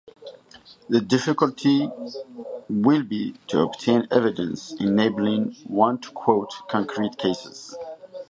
The difficulty will be to obtain evidence enabling one to quote concrete cases.